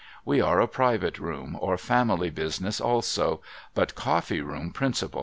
We are a Private Room or Family business also ; but Coffee room principal.